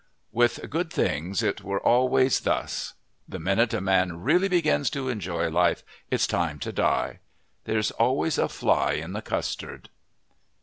With good things it were always thus. The minute a man really begins to enjoy life it's time to die. There is always a fly in the custard.